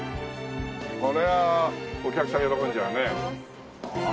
これはお客さん喜んじゃうね。